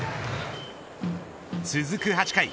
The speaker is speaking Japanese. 続く８回。